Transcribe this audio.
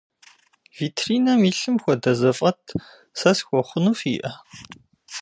Витринэм илъым хуэдэ зэфӏэт сэ схуэхъуну фиӏэ?